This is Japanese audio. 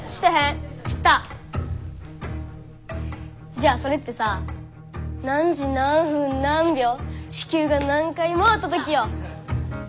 じゃあそれってさ何時何分何秒地球が何回回った時よ？